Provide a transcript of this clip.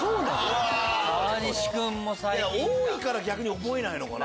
多いから逆に覚えないのかな。